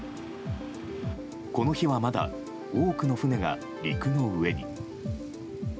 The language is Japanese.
この日はまだ多くの船が陸の上に。